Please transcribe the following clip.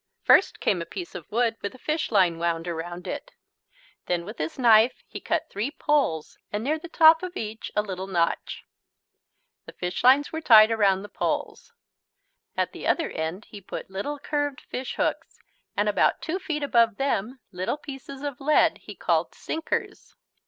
First came a piece of wood with a fishline wound around it. Then with his knife he cut three poles and near the top of each a little notch. The fishlines were tied around the poles. At the other end he put little curved fish hooks, and about two feet above them little pieces of lead, called "sinkers."